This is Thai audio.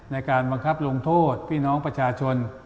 ในการบังคับลงโทษพี่น้องประชาชน